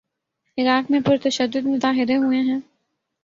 عراق میں پر تشدد مظاہرے ہوئے ہیں۔